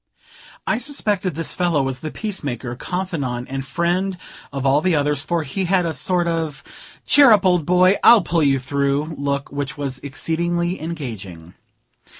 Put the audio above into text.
I suspected this fellow was the peacemaker, confidant and friend of all the others, for he had a sort of "Cheer up, old boy, I'll pull you through" look, which was exceedingly engaging.